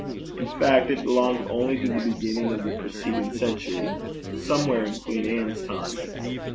In fact, it belonged only to the beginning of the preceding century, somewhere in Queen Anne's time.